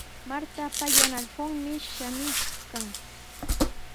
Martapa yana allqunmi shamuykan.